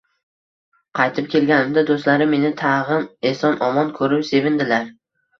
Qaytib kelganimda, do‘stlarim meni tag‘in eson-omon ko‘rib sevindilar